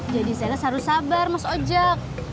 jadi zailes harus sabar mas ojak